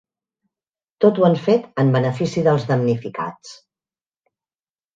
Tot ho han fet en benefici dels damnificats.